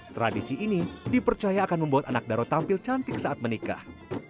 tradisi ini dipercaya akan membuat anak daro tampil cantik saat menikah